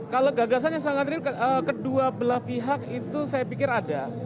kalau gagasan yang sangat real kedua belah pihak itu saya pikir ada